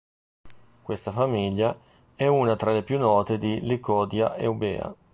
Questa famiglia è una tra le più note di Licodia Eubea.